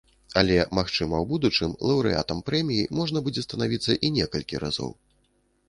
Але, магчыма, у будучым лаўрэатам прэміі можна будзе станавіцца і некалькі разоў.